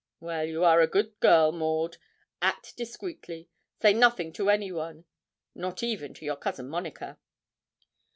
'Well, you are a good girl, Maud. Act discreetly. Say nothing to anyone not even to your cousin Monica.'